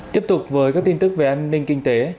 tiếp tục với các tin tức về an ninh kinh tế